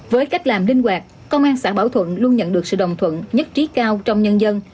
với cách làm linh hoạt công an xã bảo thuận luôn nhận được sự đồng thuận nhất trí cao trong nhân dân